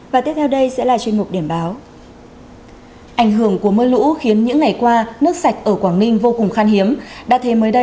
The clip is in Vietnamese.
và tiếp theo đây sẽ là truyền hình của bộ y tế